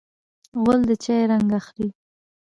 غول د چای رنګ اخلي.